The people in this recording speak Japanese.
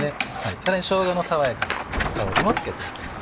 さらにしょうがの爽やかな香りもつけていきます。